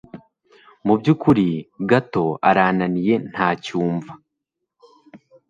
mubyukuri gato arananiye ntacyumva